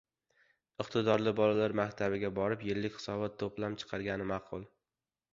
iqtidorli bolalar maktabiga borib yillik hisobot-toʻplam chiqargani maʼqul.